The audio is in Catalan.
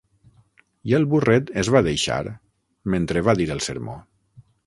I el burret es va deixar, mentre va dir el sermó.